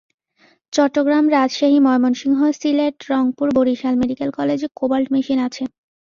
Chittagong, Rajshahi, Mymensingh, Sylhet, Rangpur, Barisal medical কলেজে cobalt machine আছে।